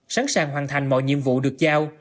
sẵn sàng hoàn thành mọi nhiệm vụ được giao